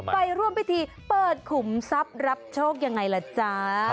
ไปร่วมพิธีเปิดขุมทรัพย์รับโชคยังไงล่ะจ๊ะ